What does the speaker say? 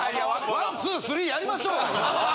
ワンツースリーやりましょうよ！